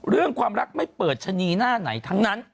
เรื่องความรักไม่เปิดชะนีหน้าไหนทั้งนั้น